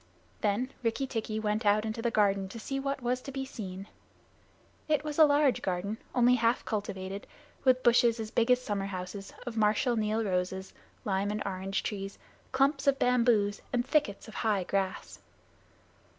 Then Rikki tikki went out into the garden to see what was to be seen. It was a large garden, only half cultivated, with bushes, as big as summer houses, of Marshal Niel roses, lime and orange trees, clumps of bamboos, and thickets of high grass.